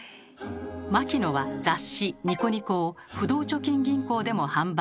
牧野は雑誌「ニコニコ」を不動貯金銀行でも販売。